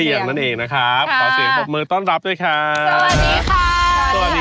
ขอเสียงขอบมือต้นรับด้วยครับ